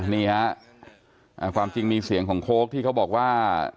นี่ฮะความจริงมีเสียงของโค้กที่เขาบอกว่า